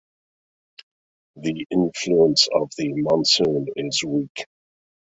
The influence of the monsoon is weak.